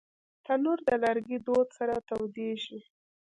تنور د لرګي دود سره تودېږي